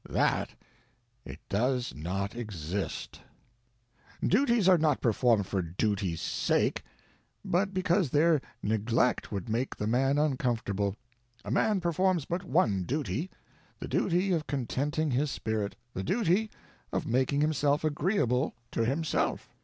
That it does not exist. Duties are not performed for duty's sake, but because their neglect would make the man uncomfortable. A man performs but one duty—the duty of contenting his spirit, the duty of making himself agreeable to himself.